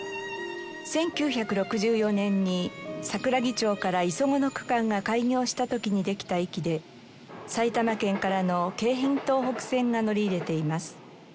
１９６４年に桜木町から磯子の区間が開業した時にできた駅で埼玉県からの京浜東北線が乗り入れています。